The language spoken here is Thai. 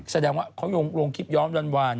แสดงว่าเขาลงคลิปย้อมวาน